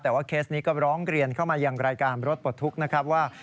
แต่ว่าเคสนี้ก็ร้องเรียนเข้ามายังรายการรถปลดทุกข์นะครับว่า